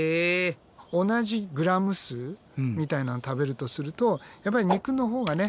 同じグラム数みたいなのを食べるとするとやっぱり肉のほうがね